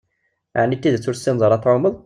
Ɛni d tidett ur tessineḍ ara ad tɛumeḍ?